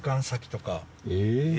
え。